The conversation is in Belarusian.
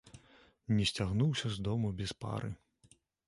Не сцягнуўся з дому без пары.